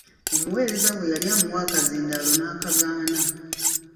Omuweereza bwe yali amuwa akazindaala n'akagaana.